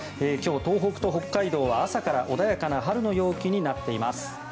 今日、東北と北海道は朝から穏やかな春の陽気になっています。